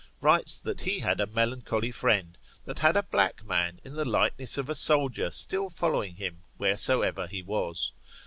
writes that he had a melancholy friend, that had a black man in the likeness of a soldier still following him wheresoever he was.